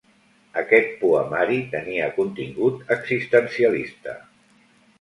Aquest poemari tenia contingut existencialista.